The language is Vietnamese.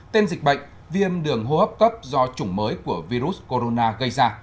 tên dịch bệnh viêm đường hô hấp cấp do chủng mới của virus corona gây ra